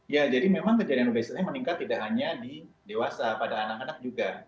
ya jadi memang kejadian obesitasnya meningkat tidak hanya di dewasa pada anak anak juga